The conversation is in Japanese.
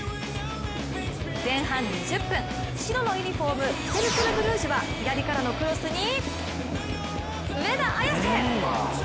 前半２０分白のユニフォーム、セルクル・ブリュージュは左からのクロスに、上田綺世。